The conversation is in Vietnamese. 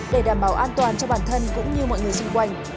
để đảm bảo an toàn cho bản thân cũng như mọi người xung quanh